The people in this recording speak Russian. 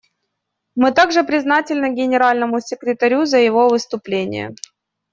Мы также признательны Генеральному секретарю за его выступление.